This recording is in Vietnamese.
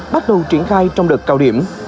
bắt đầu triển khai trong đợt cao điểm